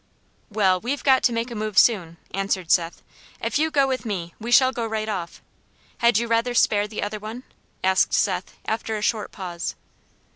"Well, we've got to make a move soon," answered Seth; "if you go with me, we shall go right off. Had you rather spare the other one?" asked Seth, after a short pause.